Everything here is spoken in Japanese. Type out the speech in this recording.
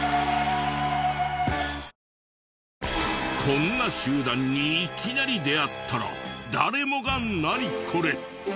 こんな集団にいきなり出会ったら誰もがナニコレ！